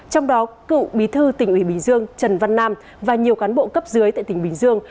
trong đó cựu bí thư tỉnh ủy bình dương trần văn nam và nhiều cán bộ cấp dưới tại tỉnh bình dương